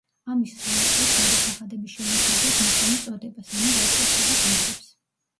ამის სანაცვლოდ გადასახადები შეუმცირდათ მესამე წოდებას, ანუ ვაჭრებსა და გლეხებს.